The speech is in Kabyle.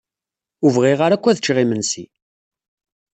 Ur bɣiɣ ara akk ad ččeɣ imensi.